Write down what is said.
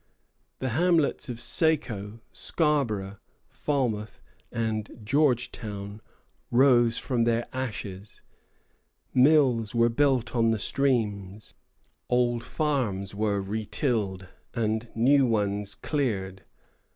The hamlets of Saco, Scarborough, Falmouth, and Georgetown rose from their ashes; mills were built on the streams, old farms were retilled, and new ones cleared.